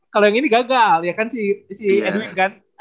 kalau yang ini gagal ya kan si edwin kan